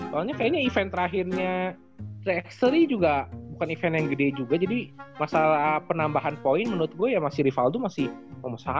soalnya kayaknya event terakhirnya tx tiga juga bukan event yang gede juga jadi masalah penambahan poin menurut gue ya masih rivaldo masih nomor seratus sih kayaknya